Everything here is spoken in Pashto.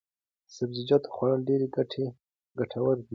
د سبزیجاتو خوړل ډېر ګټور دي.